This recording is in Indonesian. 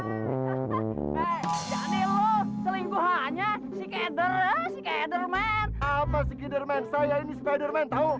apa si kether man saya ini spider man tau